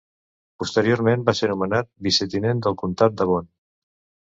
Posteriorment va ser nomenat vicetinent del comtat d'Avon.